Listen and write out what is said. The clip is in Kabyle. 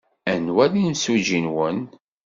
Anwa ay d imsujji-nwen?